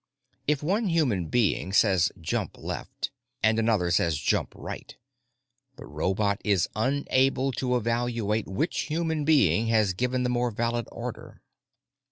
If one human being says "jump left," and another says "jump right," the robot is unable to evaluate which human being has given the more valid order.